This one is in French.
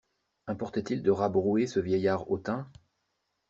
Importait-il de rabrouer ce vieillard hautain?